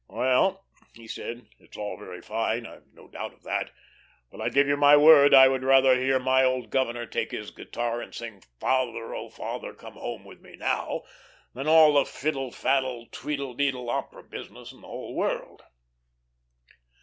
"Well," he said, "it's all very fine. I've no doubt of that, but I give you my word I would rather hear my old governor take his guitar and sing 'Father, oh father, come home with me now,' than all the fiddle faddle, tweedle deedle opera business in the whole world."